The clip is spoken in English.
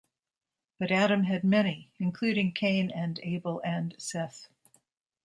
But Adam had many, including Cain and Abel and Seth.